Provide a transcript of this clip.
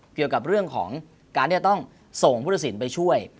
เกี่ยวกับเรื่องของการที่จะต้องส่งพุทธศิลป์ไปช่วย